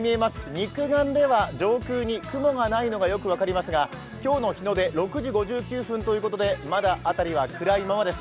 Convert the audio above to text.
肉眼では上空に雲がないのがよく分かりますが、今日の日の出６時５９分ということでまだあたりは暗いままです。